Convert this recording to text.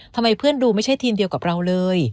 ทำไมเพื่อนดูไม่ใช่ทีมเดียวกับเราเลย